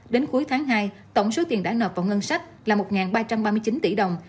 đến cuối tháng hai tổng số tiền đã nộp vào ngân sách là một ba trăm ba mươi chín tỷ đồng